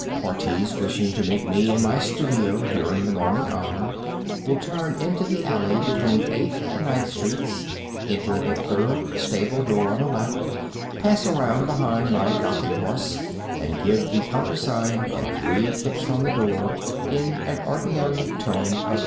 Parties wishing to meet me in my studio during the morning hour will turn into the alley between Eighth and Ninth streets, enter the third stable door on the left, pass around behind my Gothic horse, and give the countersign and three kicks on the door in an ordinary tone of voice.